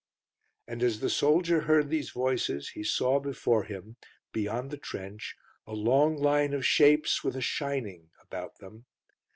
And as the soldier heard these voices he saw before him, beyond the trench, a long line of shapes, with a shining about them.